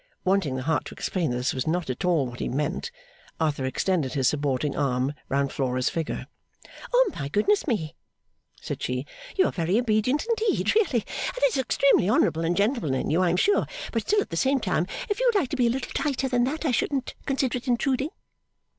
Wanting the heart to explain that this was not at all what he meant, Arthur extended his supporting arm round Flora's figure. 'Oh my goodness me,' said she. 'You are very obedient indeed really and it's extremely honourable and gentlemanly in you I am sure but still at the same time if you would like to be a little tighter than that I shouldn't consider it intruding.